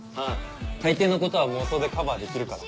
大抵のことは妄想でカバーできるから。